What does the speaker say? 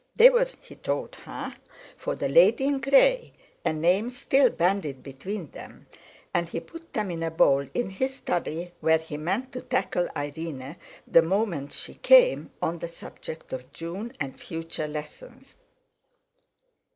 They were, he told her, for "the lady in grey"—a name still bandied between them; and he put them in a bowl in his study where he meant to tackle Irene the moment she came, on the subject of June and future lessons.